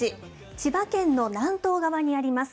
千葉県の南東側にあります。